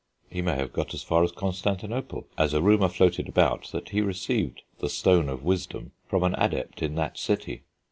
He may have got as far as Constantinople; as a rumour floated about that he received the Stone of Wisdom from an adept in that city.